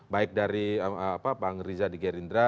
baik dari bang riza di gerindra